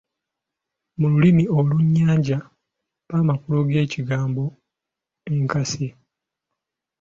Mu lulimi olulunnyanja, mpa amakulu g’ekigambo "enkasi".